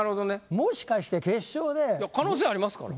もしかしていや可能性ありますから。